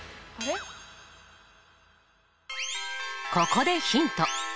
ここでヒント。